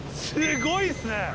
すごいですね！